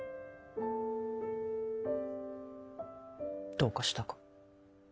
どうかしたか？